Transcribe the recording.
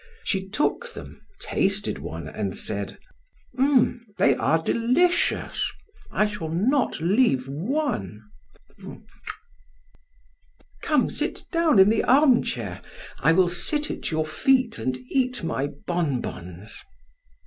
She took them, tasted one, and said: "They are delicious. I shall not leave one. Come, sit down in the armchair, I will sit at your feet and eat my bonbons."